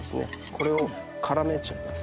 これを絡めちゃいます。